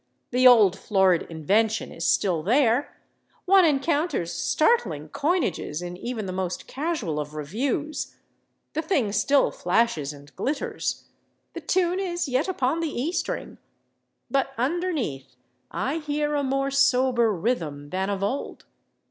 The old florid invention is still there; one encounters startling coinages in even the most casual of reviews; the thing still flashes and glitters; the tune is yet upon the E string. But underneath I hear a more sober rhythm than of old.